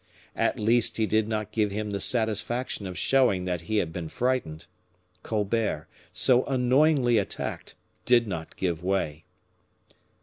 At least he did not give him the satisfaction of showing that he had been frightened. Colbert, so annoyingly attacked, did not give way.